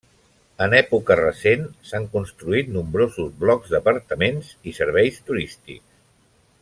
En època recent s'han construït nombrosos blocs d'apartaments i serveis turístics.